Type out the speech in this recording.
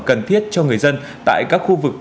cần thiết cho người dân tại các khu vực